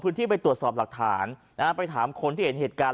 ไปตรวจสอบหลักฐานนะฮะไปถามคนที่เห็นเหตุการณ์